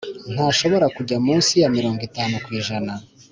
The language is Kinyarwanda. Ntashobora kujya munsi ya mirongo itanu ku ijana